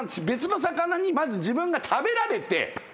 別の魚にまず自分が食べられて。